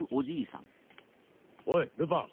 おいルパン。